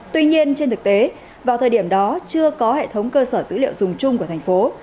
tuy nhiên trên thực tế vào thời điểm đó chưa có hệ thống cơ sở dữ liệu dùng chung của thành phố